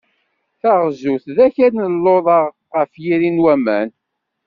Taɣzut d akal n luḍa ɣef yiri n waman.